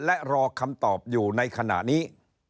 และรอคำตอบอยู่ในขณะนี้